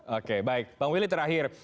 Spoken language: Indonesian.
oke baik bang willy terakhir